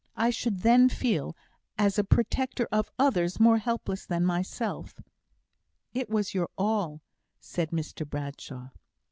I should then feel, as a protector of others more helpless than myself " "It was your all," said Mr Bradshaw.